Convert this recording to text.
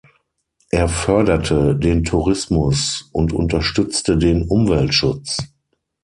Er förderte den Tourismus und unterstützte den Umweltschutz.